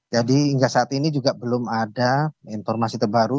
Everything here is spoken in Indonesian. jadi hingga saat ini juga belum ada informasi terbaru